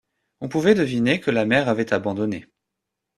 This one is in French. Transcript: On pouvait deviner que la mère avait abandonné.